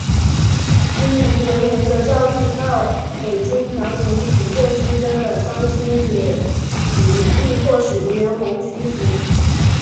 应黎元洪的召令到北京调停府院之争的张勋也以武力迫使黎元洪屈从。